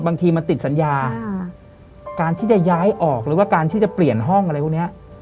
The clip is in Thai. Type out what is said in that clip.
บางทีมันติดสัญญาการที่จะย้ายออกหรือว่าการที่จะเปลี่ยนห้องอะไรพวกนี้